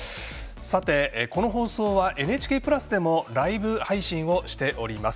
この放送はＮＨＫプラスでもライブ配信をしております。